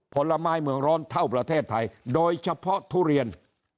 ผลไม้เมืองร้อนเท่าประเทศไทยโดยเฉพาะทุเรียน